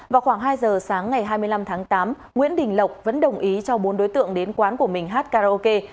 vào khoảng hai giờ sáng ngày hai mươi năm tháng tám nguyễn đình lộc vẫn đồng ý cho bốn đối tượng đến quán của mình hát karaoke